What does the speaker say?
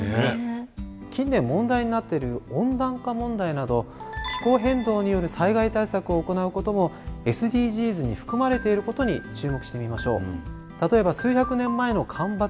近年問題になってる温暖化問題など気候変動による災害対策を行うこともＳＤＧｓに含まれていることに注目してみましょう。